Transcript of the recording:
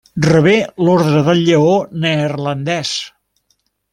Rebé l'Orde del Lleó Neerlandès.